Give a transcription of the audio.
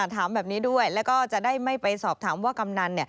ถามแบบนี้ด้วยแล้วก็จะได้ไม่ไปสอบถามว่ากำนัน